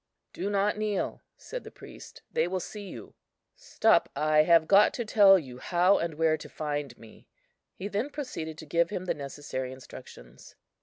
"Do not kneel," said the priest; "they will see you. Stop, I have got to tell you how and where to find me." He then proceeded to give him the necessary instructions.